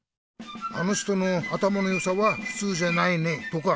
「あの人の頭のよさはふつうじゃないね」とか